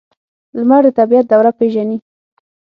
لمر د طبیعت دوره پیژني.